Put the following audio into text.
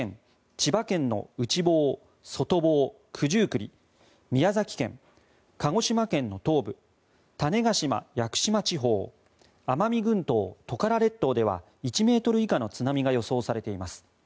千葉県の内房、外房、九十九里宮崎県、鹿児島県の東部種子島・屋久島地方奄美群島・トカラ列島では１ｍ以下の津波が予想されています。